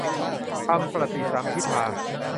ธรรมปฏิสัมภิทา